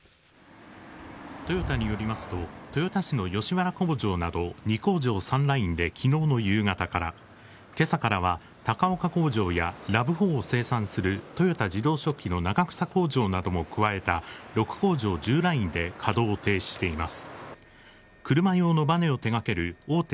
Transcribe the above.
トヨタによりますと、豊田市の吉原工場など２工場３ラインできのうの夕方から、けさからは高岡工場やＲＡＶ４を生産するトヨタ自動織機の長草工場などを加えた６工場１０ラインで稼働を停止しています。